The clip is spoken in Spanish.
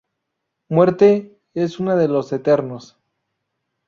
Muerte es una de los Eternos.